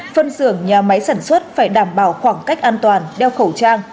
phân xưởng nhà máy sản xuất phải đảm bảo khoảng cách an toàn đeo khẩu trang